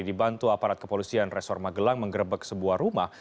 dibantu aparat kepolisian resor magelang menggerebek sebuah rumah